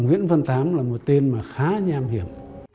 nguyễn văn tám là một tên mà khá nham hiểm